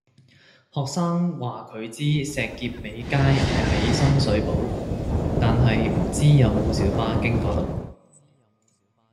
學生話佢知石硤尾街係喺深水埗，但係唔知有冇小巴經嗰度